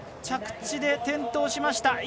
着地で転倒しました。